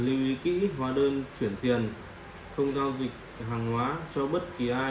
lưu ý kỹ hóa đơn chuyển tiền không giao dịch hàng hóa cho bất kỳ ai